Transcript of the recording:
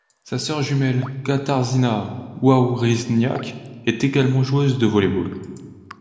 Sa sœur jumelle Katarzyna Wawrzyniak est également joueuse de volley-ball.